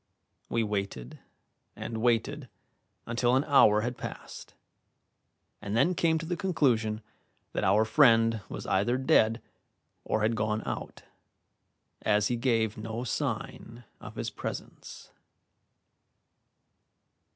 We waited and waited until an hour had passed, and then came to the conclusion that our friend was either dead or had gone out, as he gave no sign of his presence.